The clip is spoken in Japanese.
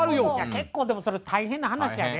結構でもそれ大変な話やで。